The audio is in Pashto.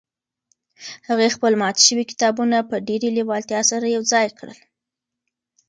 هغې خپل مات شوي کتابونه په ډېرې لېوالتیا سره یو ځای کړل.